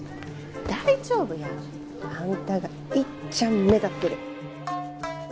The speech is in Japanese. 大丈夫や。あんたがいっちゃん目立ってる。